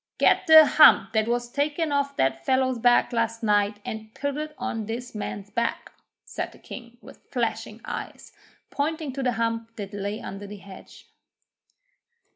'Get the hump that was taken off that fellow's back last night and put it on this man's back,' said the King, with flashing eyes, pointing to the hump that lay under the hedge.